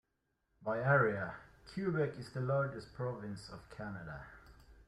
By area, Quebec is the largest province of Canada.